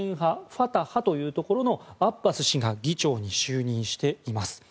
ファタハというところのアッバス氏が議長に就任しています。